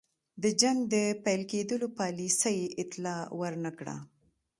د جنګ د پیل کېدلو پالیسۍ اطلاع ور نه کړه.